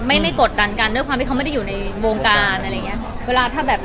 หรือไม่กดกันด้วยมันไม่ได้อยู่ในวงการ